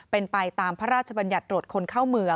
เป็นไปตามพระราชบัญญัติตรวจคนเข้าเมือง